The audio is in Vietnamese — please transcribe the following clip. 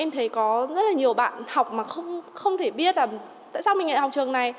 em thấy có rất là nhiều bạn học mà không thể biết là tại sao mình lại học trường này